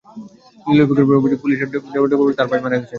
লিলু বেগমের অভিযোগ, পুলিশের ধাওয়ায় ডোবায় পড়ে গিয়ে তাঁর ভাই মারা গেছেন।